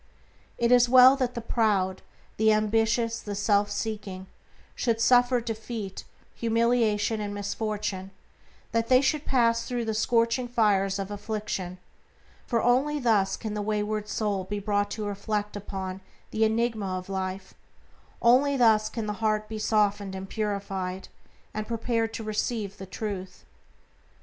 It is well that the proud, the ambitious, the self seeking, should suffer defeat, humiliation, and misfortune; that they should pass through the scorching fires of affliction; for only thus can the wayward soul be brought to reflect upon the enigma of life; only thus can the heart be softened and purified, and prepared to receive the Truth.